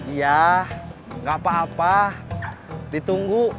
iya nggak apa apa ditunggu